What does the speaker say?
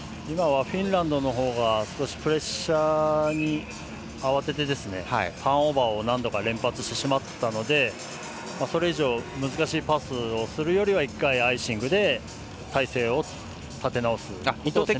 今はフィンランドが少しプレッシャーに慌ててターンオーバーを何度か連発してしまったのでそれ以上難しいパスをするよりは１回アイシングで態勢を立て直すと。